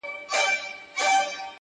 تک سپين کالي کړيدي.